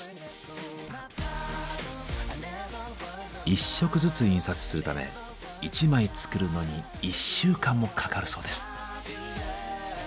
１色ずつ印刷するため１枚作るのに１週間もかかるそうです。